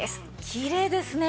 きれいですね。